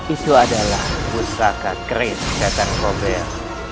itu adalah pusaka keris setan kobel